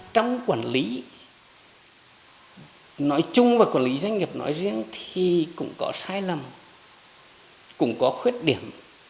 trong quản lý nói chung và quản lý doanh nghiệp nói riêng thì cũng có sai lầm cũng có khuyết điểm